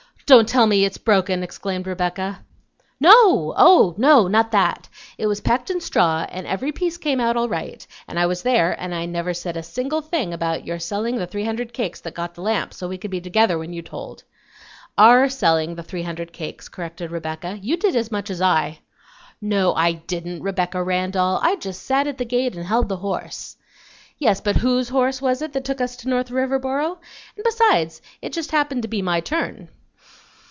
"Don't tell me it's broken," exclaimed Rebecca. "No! oh, no! not that! It was packed in straw, and every piece came out all right; and I was there, and I never said a single thing about your selling the three hundred cakes that got the lamp, so that we could be together when you told." "OUR selling the three hundred cakes," corrected Rebecca; "you did as much as I." "No, I didn't, Rebecca Randall. I just sat at the gate and held the horse." "Yes, but WHOSE horse was it that took us to North Riverboro? And besides, it just happened to be my turn.